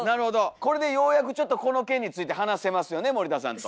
これでようやくこの件について話せますよね森田さんと。